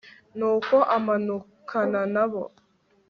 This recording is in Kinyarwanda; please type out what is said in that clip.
Nuko amanukana na bo